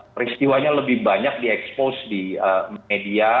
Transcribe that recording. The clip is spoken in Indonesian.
peristiwanya lebih banyak di expose di media